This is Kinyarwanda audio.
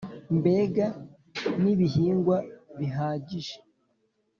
mbega ni ibihingwa bihagije